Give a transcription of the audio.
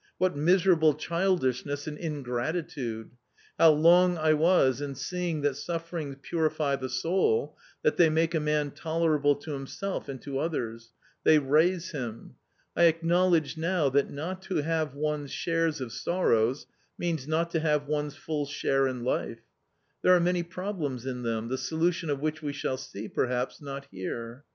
What miserable childishness and ingratitude ! How long I was in seeing that sufferings purify the soul, that they make a man tolerable to himself and to others ; they raise him I acknowledge now that not to have one's shares of sorrows means not to have one's full share in life j there are many problems in them, the solution of which we shall see, perhaps, not here.